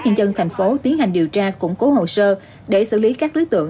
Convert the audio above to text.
nhân dân thành phố tiến hành điều tra củng cố hồ sơ để xử lý các đối tượng